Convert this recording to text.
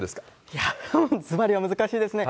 いやー、ずばりは難しいですね。